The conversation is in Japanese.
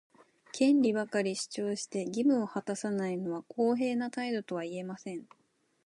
権利ばかり主張して、義務を果たさないのは公平な態度とは言えません。